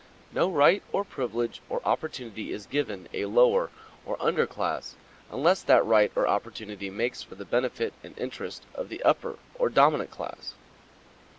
No right, or privilege, or opportunity is given a lower or under class unless that right or opportunity makes for the benefit and interest of the upper or dominant class.